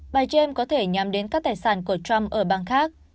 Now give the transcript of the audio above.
bà james có thể nhắm đến các tài sản của trump ở bang khác